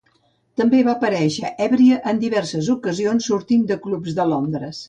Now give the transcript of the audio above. També va aparèixer èbria en diverses ocasions sortint de clubs de Londres.